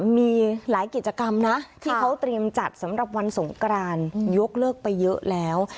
มีหลายกิจกรรมนะที่เขาเตรียมจัดสำหรับวันสงกรานยกเลิกไปเยอะแล้ว